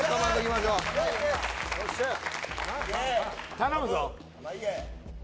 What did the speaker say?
頼むぞ。